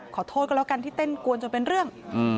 ขอโทษก็แล้วกันที่เต้นกวนจนเป็นเรื่อง